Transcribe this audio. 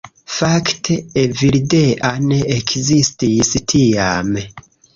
Fakte Evildea ne ekzistis tiam